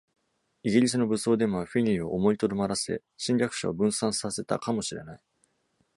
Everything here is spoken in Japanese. イギリスの武装デモはフィニーを思いとどまらせ、侵略者を分散させたかもしれない。